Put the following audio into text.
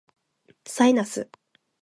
サイナス